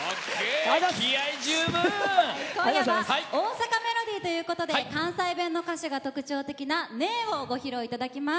今夜は「大阪メロディー」ということで関西弁の歌詞が特徴的な「ねぇ」をご披露いただきます。